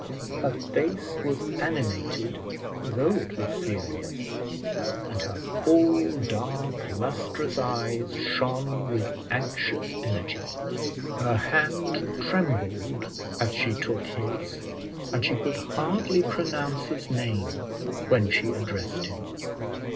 Her face was animated though it was serious, and her full dark lustrous eyes shone with anxious energy; her hand trembled as she took his, and she could hardly pronounce his name, when she addressed him.